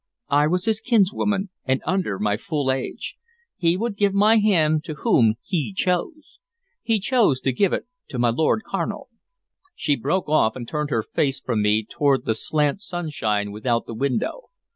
I was his kinswoman, and under my full age; he would give my hand to whom he chose. He chose to give it to my Lord Carnal." She broke off, and turned her face from me toward the slant sunshine without the window.